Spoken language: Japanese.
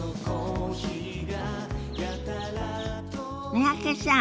三宅さん